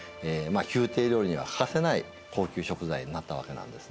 宮廷料理には欠かせない高級食材になったわけなんですね。